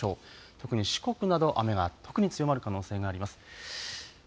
特に四国など雨が特に強まる可能性があります。